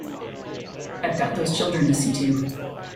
I’ve got those children to see to.